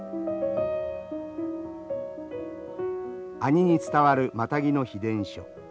阿仁に伝わるマタギの秘伝書。